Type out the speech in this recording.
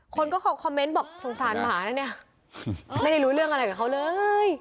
คนก็คอมเมนต์บอกสงสารหมานะเนี่ยไม่ได้รู้เรื่องอะไรกับเขาเลย